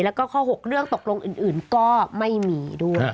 แล้วก็ข้อ๖เรื่องตกลงอื่นก็ไม่มีด้วย